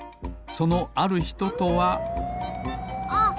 そのあるひととはあっ！